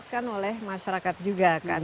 kan oleh masyarakat juga kan